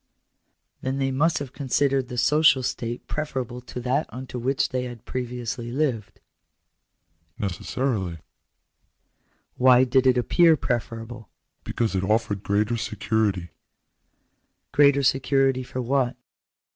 " Then they must have considered the social state preferable to that under which they had previously lived ?"" Necessarily." " Why did it appear preferable ?"" Because it offered greater security." " Greater security for what